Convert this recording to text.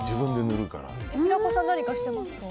平子さん、何かしてますか？